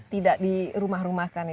tidak dirumah rumahkan itu